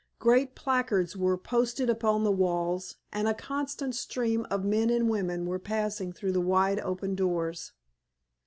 Great placards were posted upon the walls, and a constant stream of men and women were passing through the wide open doors.